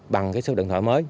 bằng cái số điện thoại mới